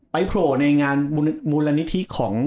ไปโผล่ในงานมุรณิธิของ